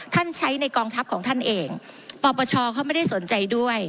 ใช้ในกองทัพของท่านเองปปชเขาไม่ได้สนใจด้วย